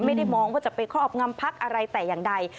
ไม่ได้มองว่าจะไปครอบงำพักอะไรแต่อย่างใด